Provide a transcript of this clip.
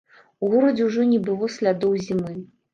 У горадзе ўжо не было слядоў зімы.